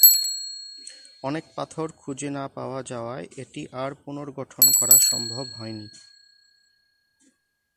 অনেক পাথর খুজে না পাওয়া যাওয়ায় এটি আর পুনর্গঠন করা সম্ভব হয়নি।